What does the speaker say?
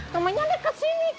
namanya ada kesini